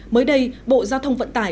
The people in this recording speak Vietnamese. mới đây bộ giao thông vận tải